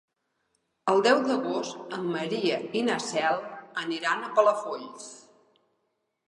El deu d'agost en Maria i na Cel aniran a Palafolls.